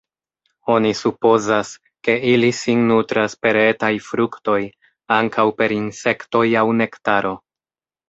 Oni supozas, ke ili sin nutras per etaj fruktoj, ankaŭ per insektoj aŭ nektaro.